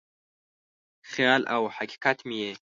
خیال او حقیقت مې یې